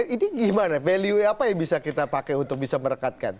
ini gimana value apa yang bisa kita pakai untuk bisa merekatkan